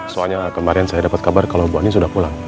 soalnya kemarin saya dapat kabar kalau bu andien sudah berada di rumah